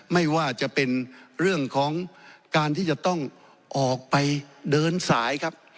ไม่ว่าจะเป็นเรื่องของการที่จะต้องออกไปเดินสายครับ